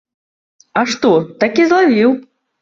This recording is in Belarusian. А што, такі злавіў!